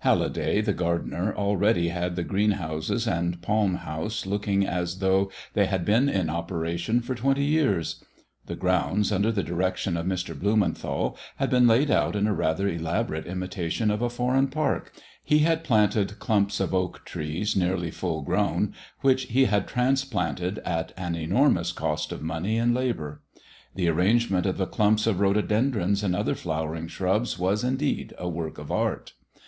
Halliday, the gardener, already had the green houses and the palm house looking as though they had been in operation for twenty years. The grounds, under the direction of Mr. Blumenthal, had been laid out in a rather elaborate imitation of a foreign park. He had planted clumps of oak trees nearly full grown, which he had transplanted at an enormous cost of money and labor. The arrangement of the clumps of rhododendrons and other flowering shrubs was, indeed, a work of art.